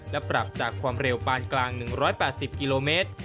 และปรับจากความเร็วปานกลาง๑๘๐กิโลเมตร